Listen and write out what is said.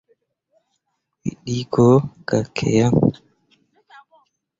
Wǝ ɗee cok gah ki yan.